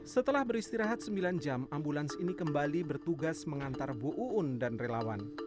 setelah beristirahat sembilan jam ambulans ini kembali bertugas mengantar bu uun dan relawan